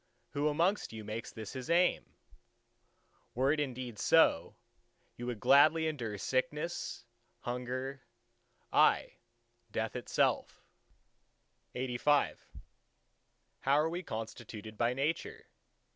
... Who amongst you makes this his aim? Were it indeed so, you would gladly endure sickness, hunger, aye, death itself. LXXXVI How are we constituted by Nature?